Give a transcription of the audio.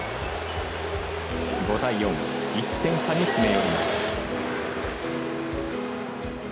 ５対４、１点差に詰め寄りました。